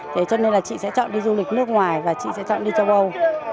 thế cho nên là chị sẽ chọn đi du lịch nước ngoài và chị sẽ chọn đi châu âu